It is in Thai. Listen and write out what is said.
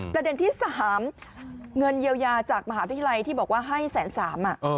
ประเด็นที่๓เงินเยียวยาจากมหาวิทยาลัยที่บอกว่าให้แสนสาม